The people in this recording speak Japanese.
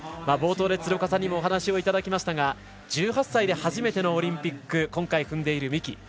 冒頭で鶴岡さんにもお話をいただきましたが１８歳で初めてのオリンピック今回、踏んでいる三木。